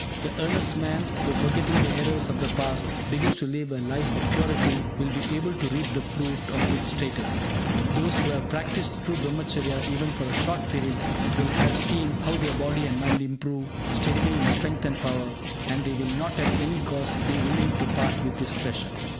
The earnest man who, forgetting the errors of the past, begins to live a life of purity will be able to reap the fruit of it straightway. Those who have practised true Brahmacharya even for a short period will have seen how their body and mind improve steadily in strength and power, and they will not, at any cost, be willing to part with this treasure.